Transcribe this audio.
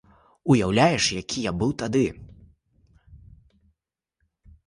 Уяўляеш, які я быў тады!